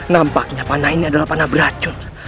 nampaknya panah ini adalah panah beracun